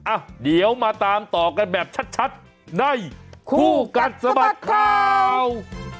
อ่ะเดี๋ยวมาตามต่อกันแบบชัดในคู่กัดสะบัดข่าว